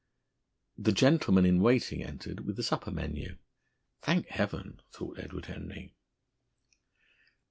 The gentleman in waiting entered with the supper menu. "Thank Heaven!" thought Edward Henry.